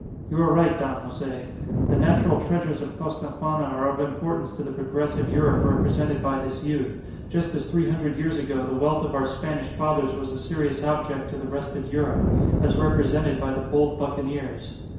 You are right, Don Jose. The natural treasures of Costaguana are of importance to the progressive Europe represented by this youth, just as three hundred years ago the wealth of our Spanish fathers was a serious object to the rest of Europe as represented by the bold buccaneers.